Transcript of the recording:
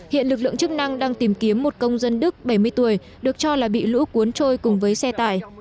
hiện lực lượng chức năng đang tìm kiếm một công dân đức bảy mươi tuổi được cho là bị lũ cuốn trôi cùng với xe tải